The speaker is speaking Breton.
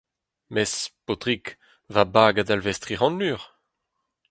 Mes, paotrig, va bag a dalvez tri c’hant lur.